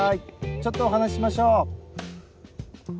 ちょっとお話しましょう。